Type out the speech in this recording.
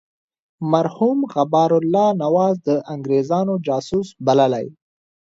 مرحوم غبار الله نواز د انګرېزانو جاسوس بللی.